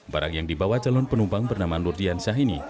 barang yang dibawa calon penumpang bernama nur diansyah ini